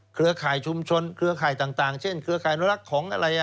เครือข่ายชุมชนเครือข่ายต่างเช่นเครือข่ายอนุรักษ์ของอะไร